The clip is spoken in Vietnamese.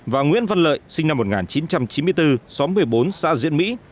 và nguyễn văn lợi sinh năm một nghìn chín trăm chín mươi bốn xóm một mươi bốn xã diễn mỹ